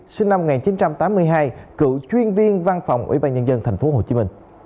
sinh năm một nghìn chín trăm tám mươi hai cựu chuyên viên văn phòng ủy ban nhân dân tp hcm